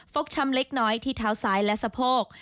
กช้ำเล็กน้อยที่เท้าซ้ายและสะโพก